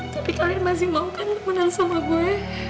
tapi kalian masih mau kan untuk menang sama gue